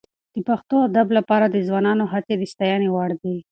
د پښتو ادب لپاره د ځوانانو هڅې د ستاینې وړ دي.